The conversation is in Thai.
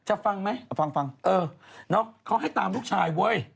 ฟังไหมฟังฟังเออน้องเขาให้ตามลูกชายเว้ย